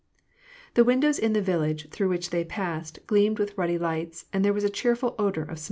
The windows in the village through which they passed gleamed with ruddy lights, and there was a cheerful odor of smoke.